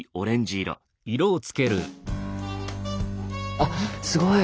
あすごい！